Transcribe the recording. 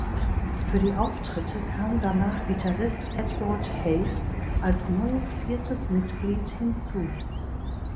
Für die Auftritte kam danach Gitarrist Edward Hayes als neues viertes Mitglied hinzu.